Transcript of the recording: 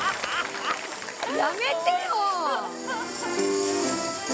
やめてよ！